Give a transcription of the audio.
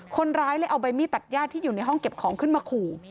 คนร้ายเลยเอาใบมีดตัดญาติที่อยู่ในห้องเก็บของขึ้นมาขู่